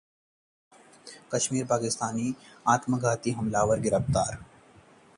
कश्मीर: पाकिस्तानी आत्मघाती हमलावर गिरफ्तार